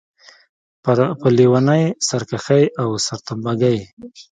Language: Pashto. په لېونۍ سرکښۍ او سرتمبه ګۍ.